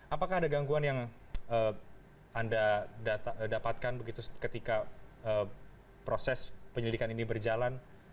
apakah ada gangguan yang anda dapatkan begitu ketika proses penyelidikan ini berjalan